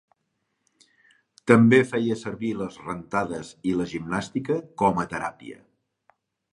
També feia servir les rentades i la gimnàstica com a teràpia.